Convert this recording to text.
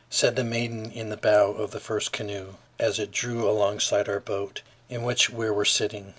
_" said the maiden in the bow of the first canoe, as it drew alongside our boat, in which we were sitting.